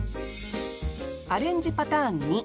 アレンジパターン２。